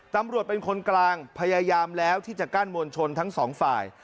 ตำรวจเป็นคนกลางพยายามแล้วที่จะกั้นมวลชนทั้งสองฝ่าย